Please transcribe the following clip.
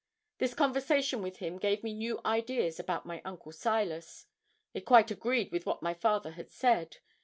This conversation with him gave me new ideas about my uncle Silas. It quite agreed with what my father had said.